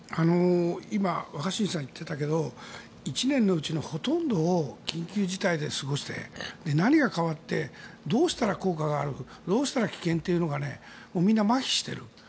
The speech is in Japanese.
今若新さんが言っていたけど１年のうちのほとんどを緊急事態で過ごして何が変わってどうしたら効果があるかどうしたら危険なのかというのをみんなまひしてる。